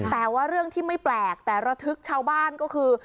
แต่ว่าเรื่องที่ไม่แปลกแต่ระทึกชาวบ้านก็คือ